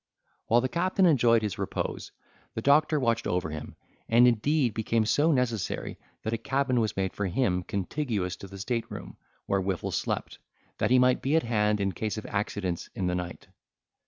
While the captain enjoyed his repose the doctor watched over him, and indeed became so necessary, that a cabin was made for him contiguous to the state room where Whiffle slept, that he might be at hand in case of accidents in the night.